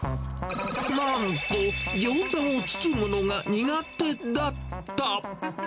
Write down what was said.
なんと、ギョーザを包むのが苦手だった。